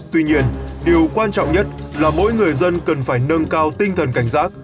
tuy nhiên điều quan trọng nhất là mỗi người dân cần phải nâng cao tinh thần cảnh giác